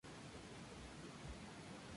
Al norte hasta Japón, y al sur hasta Australia.